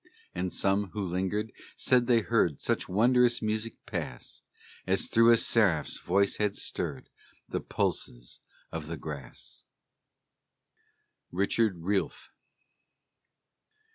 And some, who lingered, said they heard Such wondrous music pass As though a seraph's voice had stirred The pulses of the grass. RICHARD REALF.